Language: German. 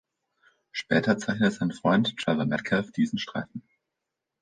Später zeichnete sein Freund Trevor Metcalfe diesen Streifen.